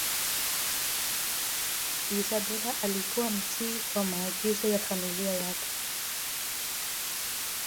Isabela alikuwa mtii kwa maagizo ya familia yake